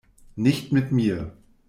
Nicht mit mir!